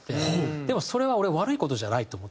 でもそれは俺悪い事じゃないと思ってて。